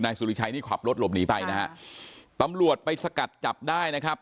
สุริชัยนี่ขับรถหลบหนีไปนะฮะตำรวจไปสกัดจับได้นะครับ